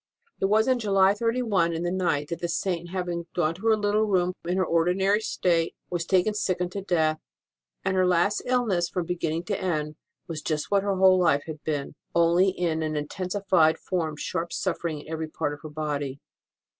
It was on July 31, in the night, that the Saint, having gone to her little room in her ordinary state, was taken sick unto death ; and her last illness from beginning to end was just what her whole life had been, only in an intensified form sharp suffering in every part of her body.